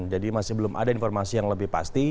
jadi masih belum ada informasi yang lebih pasti